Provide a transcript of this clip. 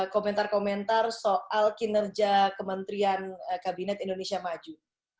komentar komentar soal kinerja kementerian kabinet indonesia maju